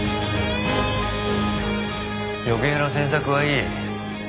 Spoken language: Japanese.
余計な詮索はいい。